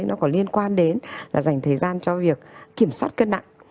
nó có liên quan đến là dành thời gian cho việc kiểm soát cân nặng